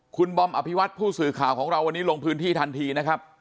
คุณบอมอภิวัตผู้สื่อข่าวของเราวันนี้ลงพื้นที่ทันทีนะครับ